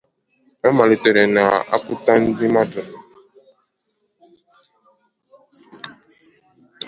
Ọ malitere na-akụtu ndị mmadụ